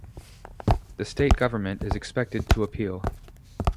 The state government is expected to appeal.